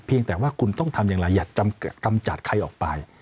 แต่ว่าคุณต้องทำอย่างไรอย่ากำจัดใครออกไป